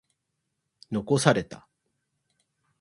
残された。